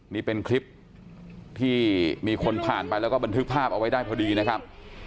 นี่เป็นคลิปที่มีคนผ่านไปแล้วก็บันทึกภาพเอาไว้ได้พอดีนะครับ